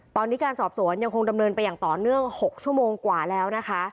ตอนนี้การสอบสวนยังคงดำเนินไปอย่างต่อเนื่อง๖ชั่วโมงกว่าแล้วนะคะ